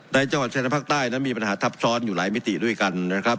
จังหวัดชายภาคใต้นั้นมีปัญหาทับซ้อนอยู่หลายมิติด้วยกันนะครับ